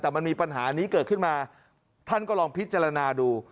แต่มันมีปัญหานี้เกิดขึ้นมาท่านก็ลองพิจารณาดู